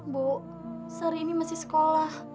bu seri ini masih sekolah